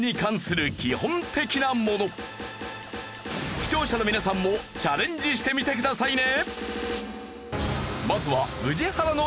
視聴者の皆さんもチャレンジしてみてくださいね。